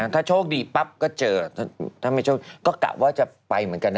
ถ้าโชคดีปั๊บก็เจอถ้าไม่โชคก็กะว่าจะไปเหมือนกันนะ